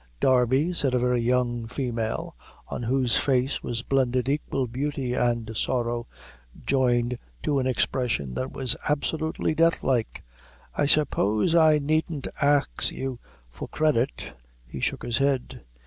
"Darby," said a very young female, on whose face was blended equal beauty and sorrow, joined to an expression that was absolutely death like, "I suppose I needn't ax you for credit?" He shook his head.